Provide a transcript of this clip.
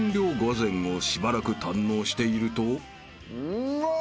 うまっ！